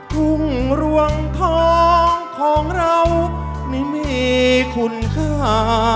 ทุ่งรวงทองของเรานี่มีคุณค่า